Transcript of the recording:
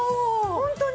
ホントに？